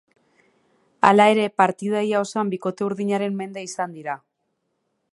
Hala ere, partida ia osoan bikote urdinaren mende izan dira.